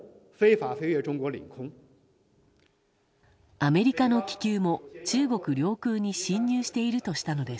アメリカの気球も中国領空に侵入しているとしたのです。